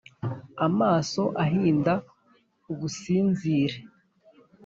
Amaso ahinda ubusinzirize,